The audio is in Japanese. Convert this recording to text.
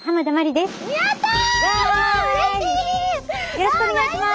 よろしくお願いします。